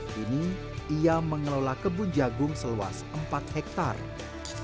kini ia mengelola kebun jagung seluas empat hektare